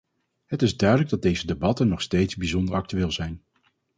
Het is duidelijk dat deze debatten nog steeds bijzonder actueel zijn.